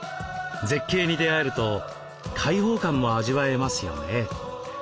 絶景に出会えると開放感も味わえますよね。